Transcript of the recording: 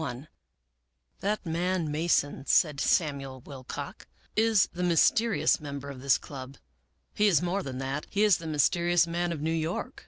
] T^e Corpus Delicti I "HTHAT man Mason," said Samuel Walcott, " is the mys terious member of this club. He is more than that ; he is the mysterious man of New York."